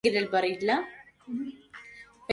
سكر الظبي واستحد حسامه